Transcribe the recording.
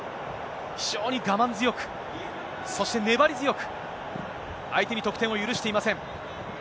非常に我慢強く、そして、粘り強く、相手に得点を許していません。